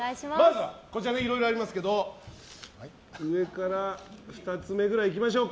こちらにいろいろありますけど上から２つ目くらいいきましょうか。